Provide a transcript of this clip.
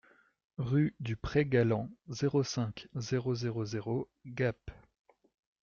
Rue du Pré Galland, zéro cinq, zéro zéro zéro Gap